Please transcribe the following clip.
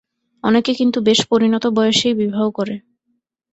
অনেকে কিন্তু বেশ পরিণত বয়সেই বিবাহ করে।